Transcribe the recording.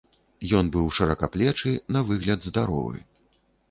Ён быў шыракаплечы, на выгляд здаровы.